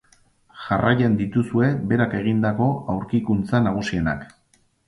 Jarraian dituzue berak egindako aurkikuntza nagusienak.